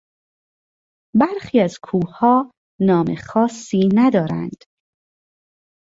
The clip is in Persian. برخی از کوهها نام خاصی ندارند.